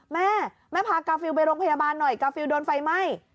แม่แม่พากาฟิลไปโรงพยาบาลหน่อยกาฟิลโดนไฟไหม้